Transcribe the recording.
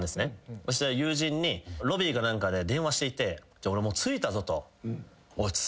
そしたら友人にロビーか何かで電話していて俺もう着いたぞと。